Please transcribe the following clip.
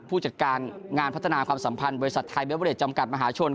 ผู้จัดการงานพัฒนาความสัมพันธ์บริษัทไทยเบเวอเรดจำกัดมหาชน